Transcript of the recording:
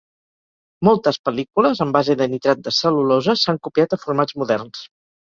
Moltes pel·lícules en base de nitrat de cel·lulosa s'han copiat a formats moderns.